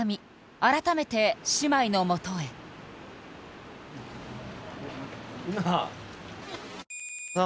改めて姉妹のもとへなあ